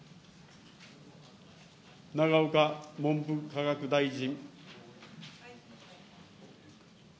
永岡文部科学大臣。